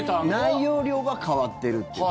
内容量が変わってるっていうこと。